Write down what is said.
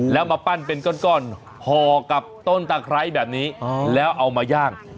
แล้วมาปั้นเป็นก้อนห่อกับต้นตะไคร้แบบนี้แล้วเอามาย่าง